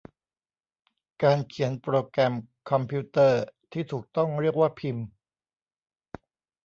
การเขียนโปรแกรมคอมพิวเตอร์ ที่ถูกต้องเรียกว่าพิมพ์